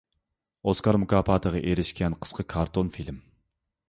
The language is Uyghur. ئوسكار مۇكاپاتىغا ئېرىشكەن قىسقا كارتون فىلىم.